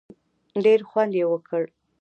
ډېر خوند یې وکړ.